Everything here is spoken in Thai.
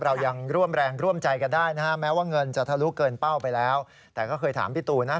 เรายังร่วมแรงร่วมใจกันได้นะฮะแม้ว่าเงินจะทะลุเกินเป้าไปแล้วแต่ก็เคยถามพี่ตูนนะ